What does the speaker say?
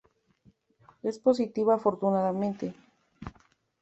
Es positiva, afortunadamente.